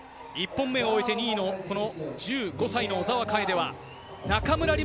１本目を終えて２位のこの１５歳の小澤楓は中村輪